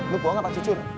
lo bohong apa jujur